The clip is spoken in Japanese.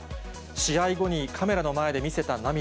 試合後にカメラの前で見せた涙。